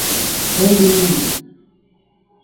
হেই, বিল্লি।